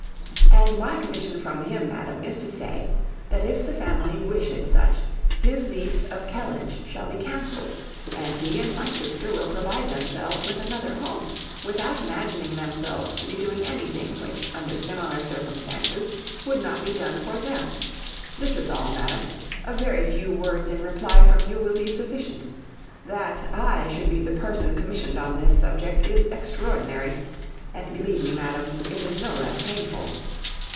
And my commission from him, Madam, is to say, that if the family wish is such, his lease of Kellynch shall be cancelled, and he and my sister will provide themselves with another home, without imagining themselves to be doing anything which under similar circumstances would not be done for them. This is all, Madam. A very few words in reply from you will be sufficient. That I should be the person commissioned on this subject is extraordinary! and believe me, Madam, it is no less painful.